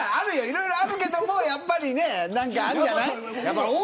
いろいろあるけどやっぱり何かあるんじゃない。